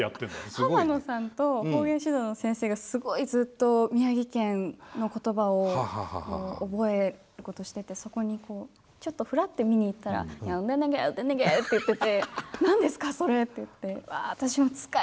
浜野さんと方言指導の先生がすごいずっと宮城県の言葉を覚えることしててそこにこうちょっとふらって見に行ったらって言ってて「何ですか？それ」って言って。